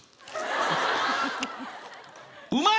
うまい！